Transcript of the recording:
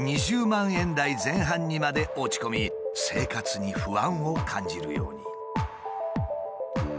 ２０万円台前半にまで落ち込み生活に不安を感じるように。